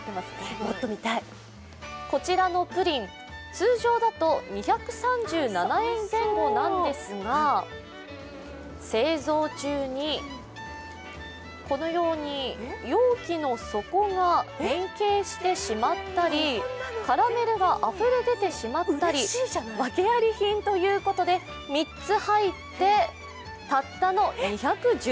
こちらのプリン、通常だと２３７円前後なんですが製造中にこのように容器の底が変形してしまったり、カラメルがあふれ出てしまったりワケあり品ということで３つ入って、たったの２１３円。